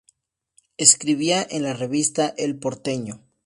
Escribía en la revista El Porteño.